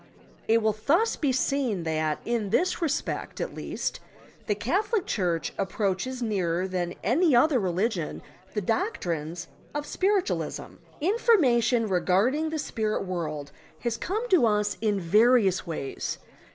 It will thus be seen that, in this respect at least, the Catholic chureh approaches nearer than any other religion the doctrines of Spirit ualism! Information regarding the spirit world has come to us in various ways.